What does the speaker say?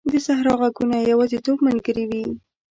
د صحرا ږغونه د یوازیتوب ملګري وي.